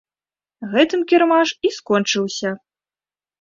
Гэтым кірмаш і скончыўся.